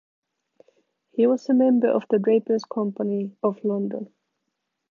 He was a member of the Drapers' Company of London.